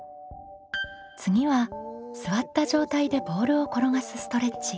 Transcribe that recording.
次は座った状態でボールを転がすストレッチ。